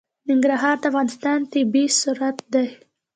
ننګرهار د افغانستان طبعي ثروت دی.